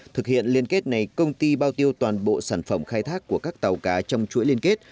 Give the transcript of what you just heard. thực hiện liên kết này công ty bao tiêu toàn bộ sản phẩm khai thác của các tàu cá trong chuỗi liên kết